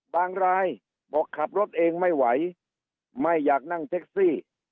บางรายบอกขับรถเองไม่ไหวไม่อยากนั่งแท็กซี่